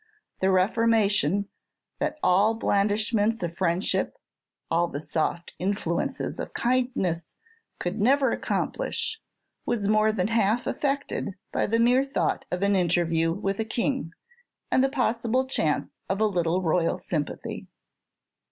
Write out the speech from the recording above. The reformation that all the blandishments of friendship, all the soft influences of kindness, could never accomplish, was more than half effected by the mere thought of an interview with a king, and the possible chance of a little royal sympathy!